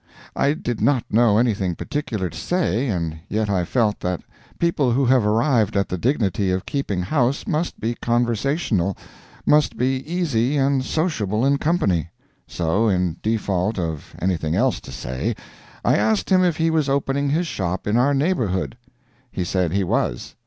I did not know anything particular to say, and yet I felt that people who have arrived at the dignity of keeping house must be conversational, must be easy and sociable in company. So, in default of anything else to say, I asked him if he was opening his shop in our neighborhood. He said he was.